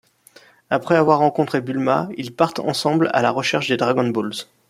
Après avoir rencontré Bulma, ils partent ensemble à la recherche des Dragon Balls.